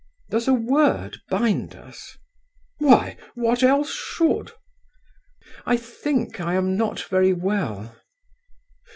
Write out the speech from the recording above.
"Does a word bind us?" "Why, what else should?" "I think I am not very well."